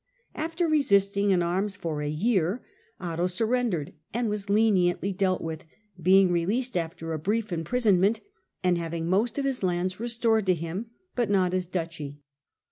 After re sisting in arms for a year. Otto surrendered and was leniently dealt with, being released after a brief im prisonment and having most of his lands restored to him, but not his duchy.